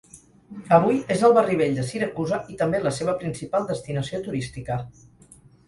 Avui és el barri vell de Siracusa i també la seva principal destinació turística.